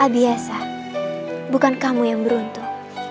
biasa bukan kamu yang beruntung